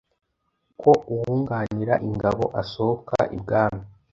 Ko uwunganira ingabo asohoka ibwami